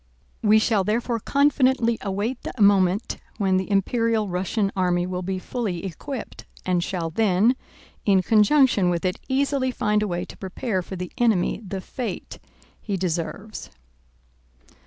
We shall therefore confidently await the moment when the Imperial Russian army will be fully equipped, and shall then, in conjunction with it, easily find a way to prepare for the enemy the fate he deserves.